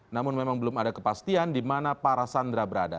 namun memang belum ada kepastian di mana para sandera berada